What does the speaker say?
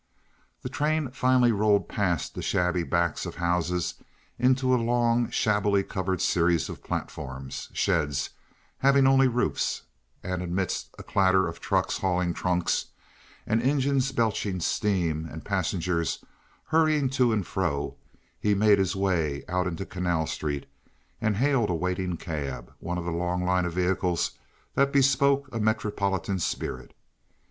The train finally rolled past the shabby backs of houses into a long, shabbily covered series of platforms—sheds having only roofs—and amidst a clatter of trucks hauling trunks, and engines belching steam, and passengers hurrying to and fro he made his way out into Canal Street and hailed a waiting cab—one of a long line of vehicles that bespoke a metropolitan spirit.